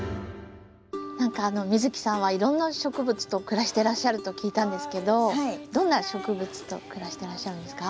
何か美月さんはいろんな植物と暮らしてらっしゃると聞いたんですけどどんな植物と暮らしてらっしゃるんですか？